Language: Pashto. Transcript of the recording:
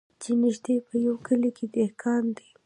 چي نیژدې په یوه کلي کي دهقان دی